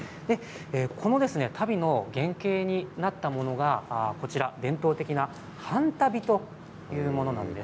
この足袋の原形になったものが伝統的な半足袋というものなんです。